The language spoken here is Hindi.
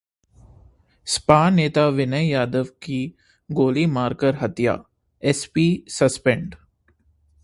सपा नेता विनय यादव की गोली मारकर हत्या, एसपी सस्पेंड